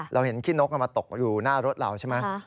เราเห็นขี้นกมาตกอยู่หน้ารถเราใช่ไหม